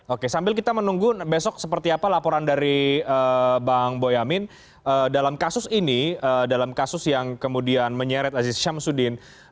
oke sambil kita menunggu besok seperti apa laporan dari bang boyamin dalam kasus ini dalam kasus yang kemudian menyeret aziz syamsuddin